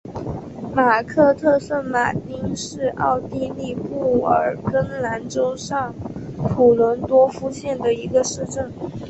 马克特圣马丁是奥地利布尔根兰州上普伦多夫县的一个市镇。